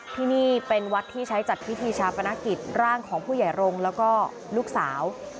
ที่นี่เป็นวัดที่ใช้จัดพิธีชาปนกิจร่างของผู้ใหญ่รงค์แล้วก็ลูกสาว